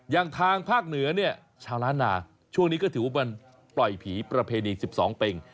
อย่างทางภาคเหนือเนี่ยชาวล้านนาช่วงนี้ก็ถือว่าปล่อยผีประเพณี๑๒เป็ง